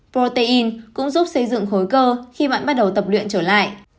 protein cũng giúp xây dựng khối cơ khi bạn bắt đầu tập luyện trở lại